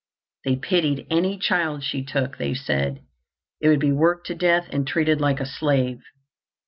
They pitied any child she took, they said. It would be worked to death and treated like a slave.